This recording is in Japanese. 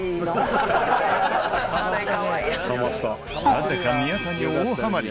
なぜか宮田に大ハマり。